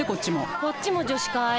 こっちも女子会。